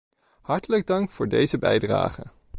Hartelijk dank voor deze bijdrage.